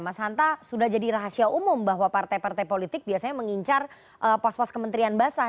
mas hanta sudah jadi rahasia umum bahwa partai partai politik biasanya mengincar pos pos kementerian basah